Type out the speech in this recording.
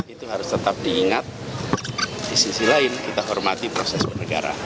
itu harus tetap diingat di sisi lain kita hormati proses bernegara